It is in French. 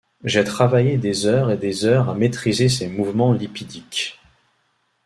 J'ai travaillé des heures et des heures à maîtriser ces mouvements lipidiques.